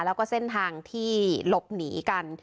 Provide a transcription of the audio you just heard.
แล้วก็เส้นทางที่หลบหนีกัน